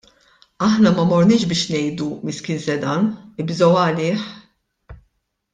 Aħna ma morniex biex ngħidu: Miskin Zeidan, ibżgħu għalih!